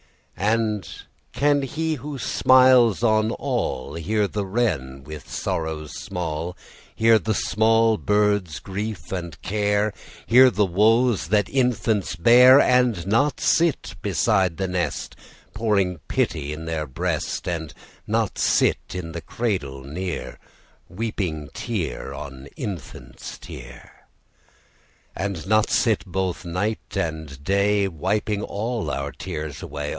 And can He who smiles on all Hear the wren with sorrows small, Hear the small bird's grief and care, Hear the woes that infants bear— And not sit beside the nest, Pouring pity in their breast, And not sit the cradle near, Weeping tear on infant's tear? And not sit both night and day, Wiping all our tears away?